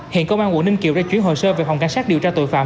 hiện công an quận ninh kiều đã chuyển hồ sơ về phòng cảnh sát điều tra tội phạm